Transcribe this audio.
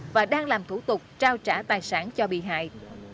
và đang làm thủ tục trao trả tài sản cho bị hại